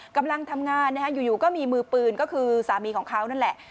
กำลังทำงานอยู่ก็มีมือปืนก็คือสามีของเขานั่นแหละ